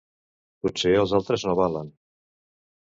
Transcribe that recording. Potser els altres no valen.